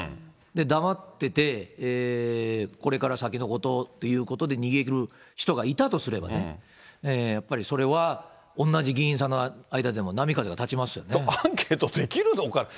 黙ってて、これから先のことっていうことで、逃げる人がいたとすればね、やっぱりそれは、おんなじ議員さんの間でも波風が立ちまアンケートできるのかな。